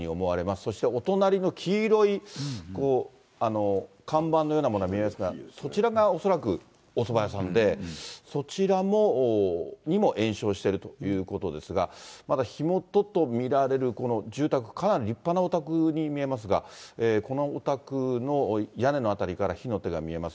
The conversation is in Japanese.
そしてお隣の黄色い看板のようなものが見えますが、そちらが恐らくおそば屋さんで、そちらにも延焼しているということですが、まだ火元と見られる住宅、かなり立派なお宅に見えますが、このお宅の屋根の辺りから火の手が見えます。